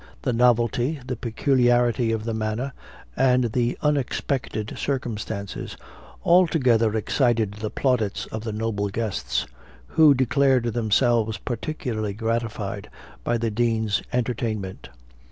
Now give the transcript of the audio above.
The novelty, the peculiarity of the manner, and the unexpected circumstances, altogether excited the plaudits of the noble guests, who declared themselves particularly gratified by the Dean's entertainment.